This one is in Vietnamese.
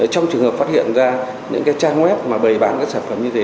trong trường hợp phát hiện ra những trang web mà bày bán các sản phẩm như thế